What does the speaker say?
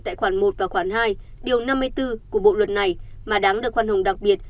tại khoản một và khoản hai điều năm mươi bốn của bộ luật này mà đáng được khoan hồng đặc biệt